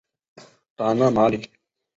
达讷马里。